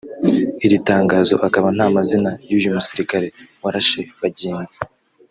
Iri tangazo akaba nta mazina y’uyu musirikali warashe bagenzi